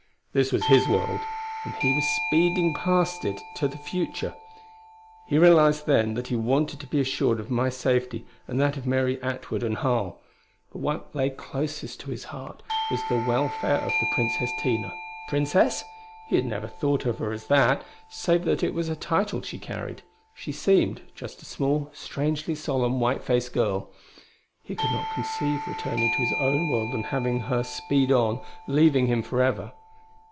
This was his world, and he was speeding past it to the future. He realized then that he wanted to be assured of my safety, and that of Mary Atwood and Harl; but what lay closest to his heart was the welfare of the Princess Tina. Princess? He never thought of her as that, save that it was a title she carried. She seemed just a small, strangely solemn white faced girl. He could not conceive returning to his own world and having her speed on, leaving him forever.